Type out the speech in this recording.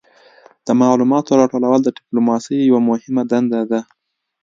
د معلوماتو راټولول د ډیپلوماسي یوه مهمه دنده ده